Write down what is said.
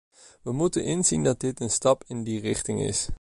We moeten inzien dat dit een stap in die richting is.